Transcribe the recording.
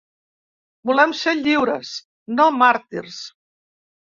Volem ser lliures, no màrtirs.